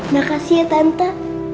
makasih ya tante